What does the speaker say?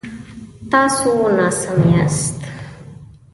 تاسو ناسم یاست